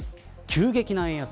急激な円安。